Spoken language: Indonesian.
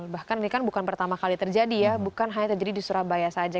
bahkan ini kan bukan pertama kali terjadi ya bukan hanya terjadi di surabaya saja